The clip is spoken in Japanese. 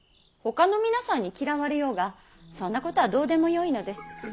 ほかの皆さんに嫌われようがそんなことはどうでもよいのです。